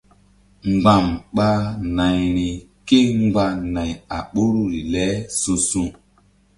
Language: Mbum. Mgba̧m ɓa nayri kémgba nay a ɓoruri le su̧su̧.